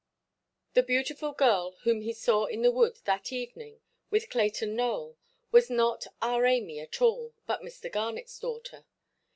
The beautiful girl whom he saw in the wood, that evening, with Clayton Nowell, was not our Amy at all, but Mr. Garnetʼs daughter.